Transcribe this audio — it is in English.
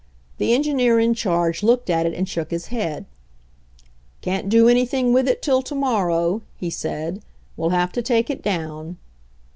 The engineer in charge looked at it and shook his head. "Can't do anything with it till to morrow," he said. "We'll have to take it down."